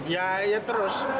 ya ya terus